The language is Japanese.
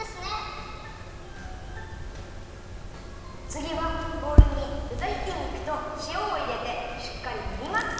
つぎはボウルにぶたひき肉としおをいれてしっかりねります！